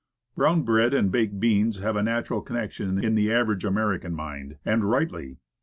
Brown bread and baked beans have a natural con nection in the average American mind, and rightly.